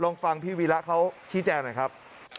ลองฟังพี่วีระเขาชี้แจงหน่อยครับ